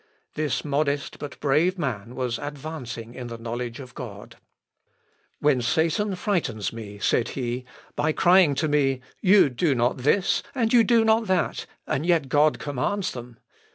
This modest but brave man was advancing in the knowledge of God. "When Satan frightens me," said he, "by crying to me: You do not this, and you do not that, and yet God commands them!